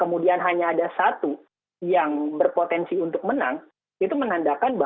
itu whisngo awang kerajaan skin bath nah generasi ndelaga mungkin sebenarnya publik tersebut juga juga semuanya